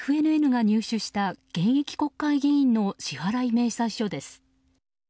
ＦＮＮが入手した現役国会議員の支払い明細書です。